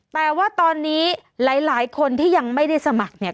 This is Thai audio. แต่ว่าตอนนี้หลายคนที่ยังไม่ได้สมัครเนี่ย